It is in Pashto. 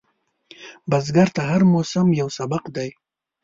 بزګر ته هر موسم یو سبق دی